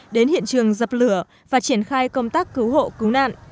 đến hiện trường dập lửa và triển khai công tác cứu hộ cứu nạn